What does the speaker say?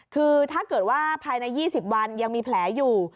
คือถ้าเกิดว่าภายใน๒๐วันยังมีแผลอยู่